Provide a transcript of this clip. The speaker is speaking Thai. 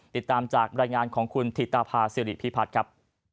ติดตามจากรายงานของคุณธิตาภาษิริพิพัฒน์ครับ